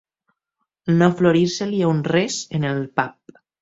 No florir-se-li a un res en el pap.